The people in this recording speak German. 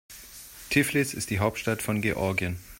Tiflis ist die Hauptstadt von Georgien.